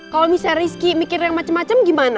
kalo misalnya rizky mikirin macem macem gimana